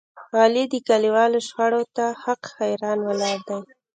علي د کلیوالو شخړې ته حق حیران ولاړ دی.